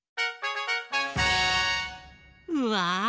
うわ！